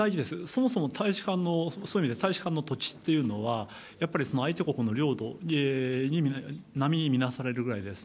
そもそも大使館のそういう意味で、大使館の土地っていうのは、やっぱりその相手国の領土に並みに見なされるので。